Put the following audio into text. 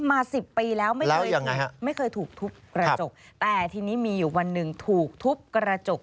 สิบปีแล้วไม่เคยไม่เคยถูกทุบกระจกแต่ทีนี้มีอยู่วันหนึ่งถูกทุบกระจก